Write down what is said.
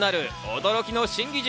驚きの新技術。